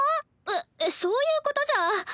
えっそういうことじゃ。